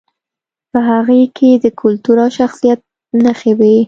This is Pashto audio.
په هغې کې د کلتور او ښه شخصیت نښې وې